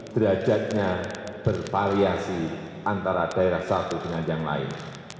derajatnya bervariasi antara daerah satu dengan yang lain